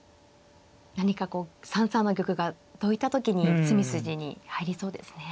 何かこう３三の玉がどいた時に詰み筋に入りそうですね。